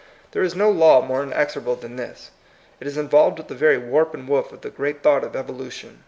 There is no law more inexorable than this. It is involved with the very warp and woof of the great thought of evolution.